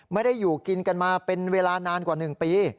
ไม่ได้อยู่กินกันมาเป็นเวลานานกว่า๑ปี